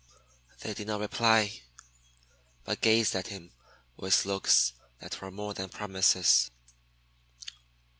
They did not reply, but gazed at him with looks that were more than promises.